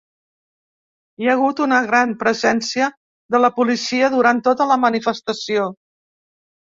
Hi ha hagut una gran presència de la policia durant tota la manifestació.